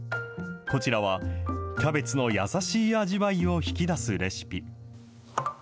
こちらは、キャベツの優しい味わいを引き出すレシピ。